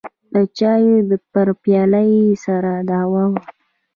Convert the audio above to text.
د چايو پر پياله به يې سره دعوه وه.